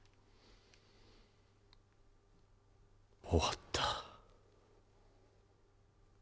終わった。